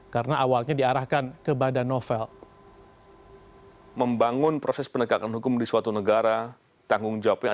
karena awalnya diarahkan ke banding